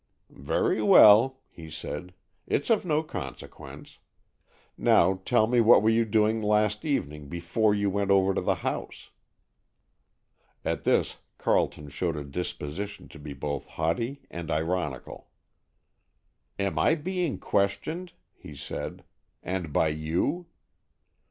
"Very well," he said; "it's of no consequence. Now tell me what you were doing last evening before you went over to the house?" At this Carleton showed a disposition to be both haughty and ironical. "Am I being questioned," he said, "and by you?